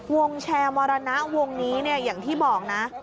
วงแชร์มรณะวงนี้เนี่ยอย่างที่บอกนะ